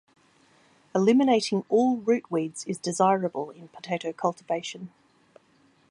Eliminating all root-weeds is desirable in potato cultivation.